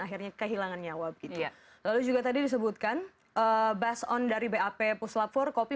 akhirnya kehilangan nyawa begitu lalu juga tadi disebutkan based on dari bap puslap empat kopi